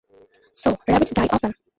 So, rabbits die often.